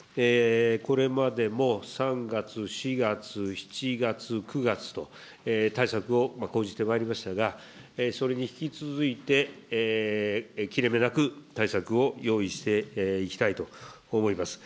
これまでも３月、４月、７月、９月と、対策を講じてまいりましたが、それに引き続いて、切れ目なく対策を用意していきたいと思います。